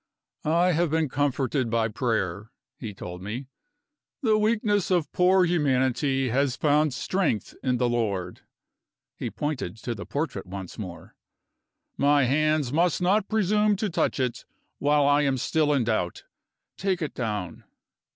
"I have been comforted by prayer," he told me. "The weakness of poor humanity has found strength in the Lord." He pointed to the portrait once more: "My hands must not presume to touch it, while I am still in doubt. Take it down."